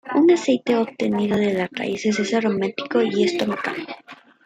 Un aceite obtenido de las raíces es aromático y estomacal.